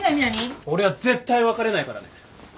俺は絶対別れないからね。